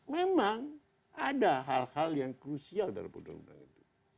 memang ada hal hal yang krusial dalam undang undang itu